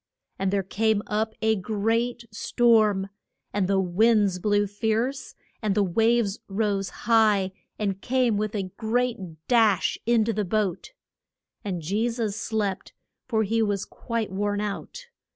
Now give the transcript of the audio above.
And there came up a great storm, and the winds blew fierce, and the waves rose high and came with a great dash in to the boat. And Je sus slept, for he was quite worn out.